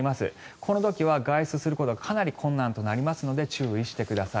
この時は外出することはかなり困難となりますので注意してください。